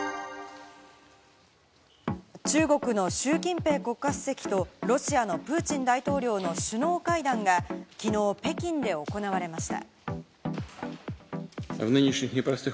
中国のシュウ・キンペイ国家主席と、ロシアのプーチン大統領の首脳会談が、きのう北京で行われました。